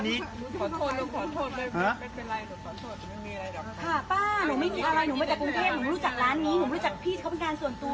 หนูรู้จักร้านนี้หนูรู้จักพี่เขาเป็นการส่วนตัว